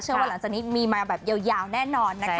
ว่าหลังจากนี้มีมาแบบยาวแน่นอนนะคะ